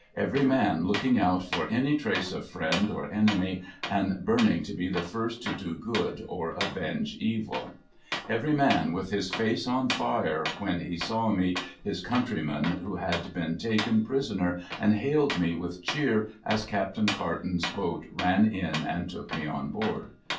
Every man looking out for any trace of friend or enemy, and burning to be the first to do good or avenge evil. Every man with his face DELIVERANCE 175 on fire when he saw me, his countryman who had been taken prisoner, and hailed me with a cheer, as Captain Carton's boat ran in and took me on board.